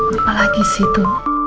apa lagi sih itu